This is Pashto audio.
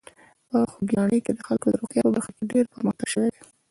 په خوږیاڼي کې د خلکو د روغتیا په برخه کې ډېر پرمختګ شوی دی.